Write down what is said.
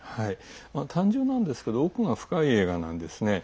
単純なんですけど奥が深い映画なんですね。